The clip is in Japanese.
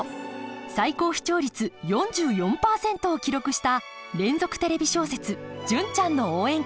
最高視聴率４４％を記録した連続テレビ小説「純ちゃんの応援歌」。